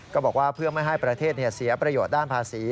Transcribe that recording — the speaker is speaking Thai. บอกว่าเพื่อไม่ให้ประเทศเสียประโยชน์ด้านภาษี